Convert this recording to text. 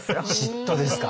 嫉妬ですか。